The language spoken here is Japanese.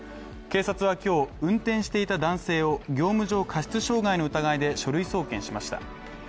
警察は今日、運転していた男性を業務上過失傷害の疑いで、書類送検しました。